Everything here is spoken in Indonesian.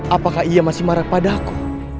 apakah ia masih marah padaku